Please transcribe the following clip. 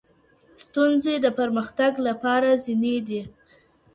ستونزي د پرمختګ لپاره زینې دي.